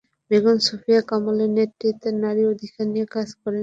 বেগম সুফিয়া কামালের নেতৃত্বে নারী অধিকার নিয়ে কাজ করেন তিনি।